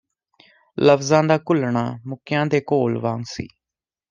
ਲਫ਼ਜ਼ਾਂ ਦਾ ਘੁਲਣਾ ਮੁੱਕਿਆਂ ਦੇ ਘੋਲ ਵਾਂਗ ਸੀ